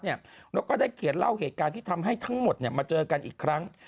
แล้วก็ได้เขียนเล่าเหตุการณ์ที่ทำให้ทั้งหมดมาเจอกันอีกครั้ง